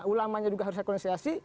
ulamanya juga harus rekonsiliasi